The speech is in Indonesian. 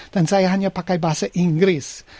dan saya hanya pakai bahasa inggris